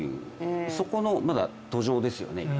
そこの土壌ですよね。